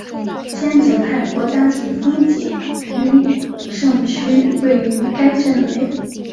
仙景台国家级风景名胜区位于该镇内。